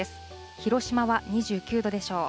広島は２９度でしょう。